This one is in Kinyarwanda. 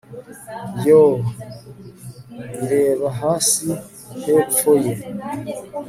yoo! ireba hasi hepfo ye